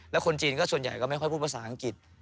แล้วคนจีนก็ส่วนใหญ่ก็ไม่ค่อยพูดภาษาอังกฤษ